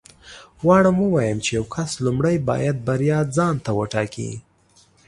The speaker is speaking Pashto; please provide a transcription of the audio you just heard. غواړم ووایم چې یو کس لومړی باید بریا ځان ته وټاکي